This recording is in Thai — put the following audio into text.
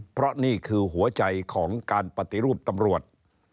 เพราะนี่คือหัวใจของการปฏิรูปตำรวจ